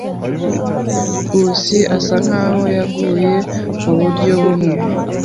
Nkusi asa nkaho yaguye muburyo bumwe.